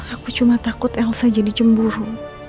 aku cuma takut elsa jadi cemburu